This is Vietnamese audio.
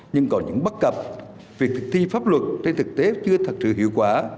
nhưng còn những bắt cặp việc thực thi pháp luật trên thực tế chưa thật sự hiệu quả